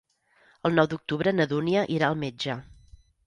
El nou d'octubre na Dúnia irà al metge.